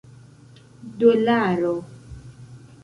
dolaro